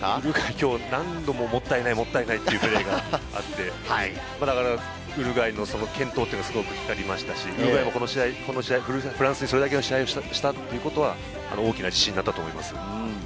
きょう何度ももったいないもったいないというプレーがあって、ウルグアイの健闘はすごく光りましたし、ウルグアイもフランスにそれだけの試合をしたということは大きな自信になったと思います。